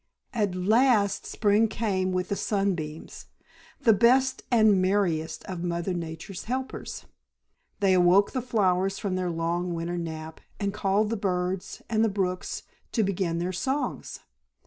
At last Spring came with the sunbeams, the best and merriest of Mother Nature's helpers. They awoke the flowers from their long winter nap, and called to the birds and the brooks to begin their songs.